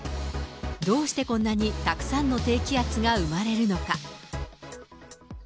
どうしてこんなにたくさんの低気圧が生まれるのか。